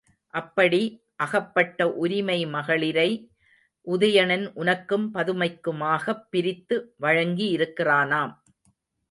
அப்படி அகப்பட்ட உரிமை மகளிரை உதயணன் உனக்கும் பதுமைக்குமாகப் பிரித்து வழங்கியிருக்கிறானாம்.